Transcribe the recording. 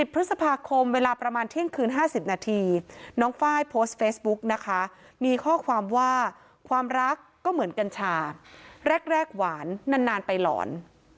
พฤษภาคมเวลาประมาณเที่ยงคืน๕๐นาทีน้องไฟล์โพสต์เฟซบุ๊กนะคะมีข้อความว่าความรักก็เหมือนกัญชาแรกหวานนานไปหลอน